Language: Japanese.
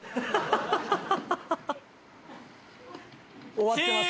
終わってます。